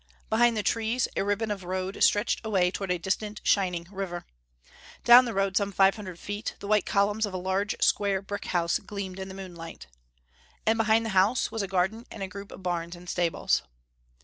Behind the trees, a ribbon of road stretched away toward a distant shining river. Down the road some five hundred feet, the white columns of a large square brick house gleamed in the moonlight. And behind the house was a garden and a group of barns and stables.